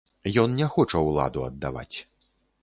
Ён не хоча ўладу аддаваць.